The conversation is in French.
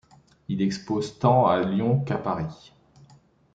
Il expose tant à Lyon qu'à Paris.